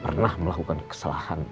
pernah melakukan kesalahan